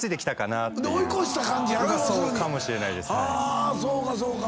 はぁそうかそうか。